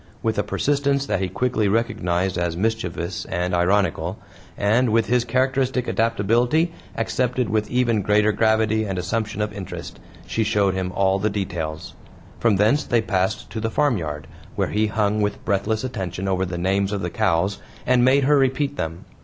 With a persistence that he quickly recognized as mischievous and ironical, and with his characteristic adaptability accepted with even greater gravity and assumption of interest, she showed him all the details. From thence they passed to the farmyard, where he hung with breathless attention over the names of the cows and made her repeat them.